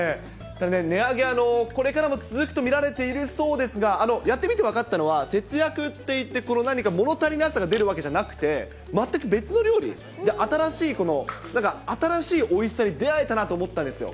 値上げ、これからも続くと見られているそうですが、やってみて分かったのは、節約っていって、何か物足りなさが出るわけじゃなくて、全く別の料理、新しい、なんか新しいおいしさに出会えたなと思ったんですよ。